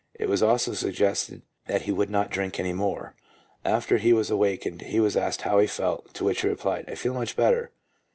It was also suggested that he would not drink any more. After he was awakened he was asked how he felt, to which he replied, " I feel much better."